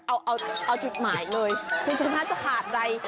เอาจุดหมายเลยคุณชะนัดจะขาดใด